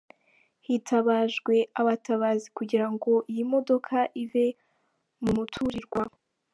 Hitabajwe abatabazi kugirango iyi modoka ive mu muturirwa.